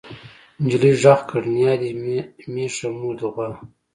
نجلۍ غږ کړ نيا دې مېښه مور دې غوا.